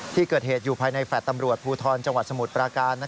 ที่เกิดเหตุอยู่ภายในแฟลต์ตำรวจภูทรจังหวัดสมุทรปราการ